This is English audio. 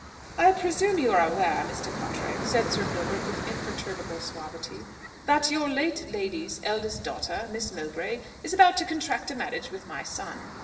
"I presume that you are aware, Mr. Cartwright," said Sir Gilbert with imperturbable suavity, "that your late lady's eldest daughter, Miss Mowbray, is about to contract a marriage with my son.